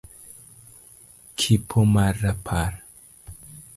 c-Kopi mar Rapar